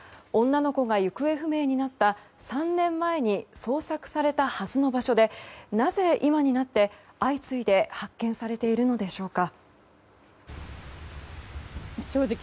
女の子が行方不明になった３年前に捜索されたはずの場所でなぜ今になって相次いで発見されているのでしょうか。